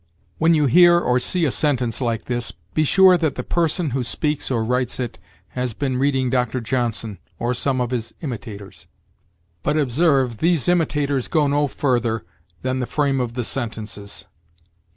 When you hear or see a sentence like this, be sure that the person who speaks or writes it has been reading Dr. Johnson, or some of his imitators. But, observe, these imitators go no further than the frame of the sentences.